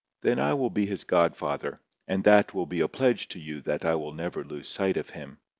"Then I will be his godfather. And that will be a pledge to you that I will never lose sight of him."